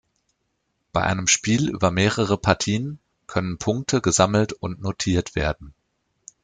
Bei einem Spiel über mehrere Partien können Punkte gesammelt und notiert werden.